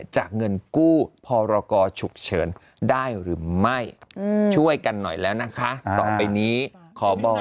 เงินกู้พรกรฉุกเฉินได้หรือไม่ช่วยกันหน่อยแล้วนะคะต่อไปนี้ขอบอก